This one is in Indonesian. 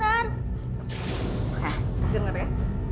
hah denger ya